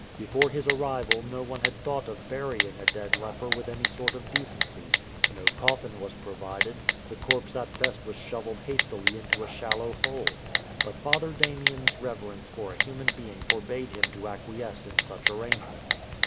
Before his arrival no one had thought of burying a dead leper with any sort of decency. No coffin was provided ; the corpse at best was shovelled hastily into a shallow hole. But Father Dam i en's rever ence for a human being forbade him to acquiesce in such arrangements.